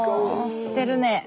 知ってるねえ。